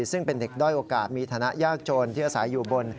ซึ่งเป็นเด็กด้อยโอกาสมีฐานะยากจนที่อาศัยอยู่บน